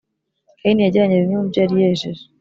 Kayini yajyanye bimwe mu byo yari yejeje